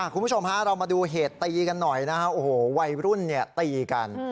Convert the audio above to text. คุณผู้ชมเรามาดูเหตุตีกันหน่อยนะไวรุ่นตีกัน